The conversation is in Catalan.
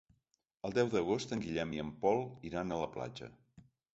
El deu d'agost en Guillem i en Pol iran a la platja.